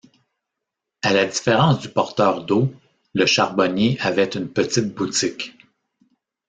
À la différence du porteur d’eau, le charbonnier avait une petite boutique.